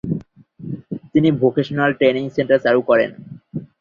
তিনি vocational training centre চালু করেন।